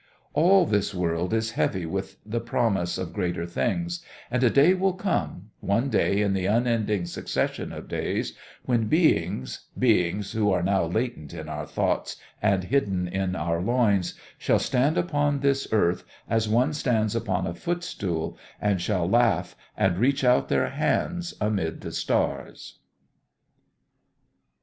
All this world is heavy with the promise of greater things, and a day will come, one day in the unending succession of days, when beings, beings who are now latent in our thoughts and hidden in our loins, shall stand upon this earth as one stands upon a footstool, and shall laugh and reach out their hands amid the stars.